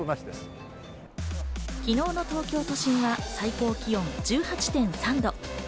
昨日の東京都心は最高気温１８．３度。